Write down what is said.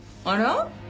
あら？